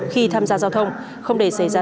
khi tham gia giao thông không để xảy ra